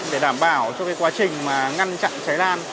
để đảm bảo cho quá trình mà ngăn chặn cháy lan